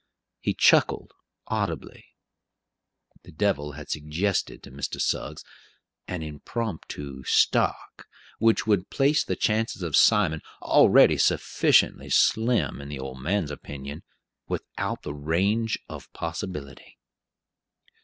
He chuckled audibly. The devil had suggested to Mr. Suggs an impromptu "stock," which would place the chances of Simon, already sufficiently slim in the old man's opinion, without the range of possibility.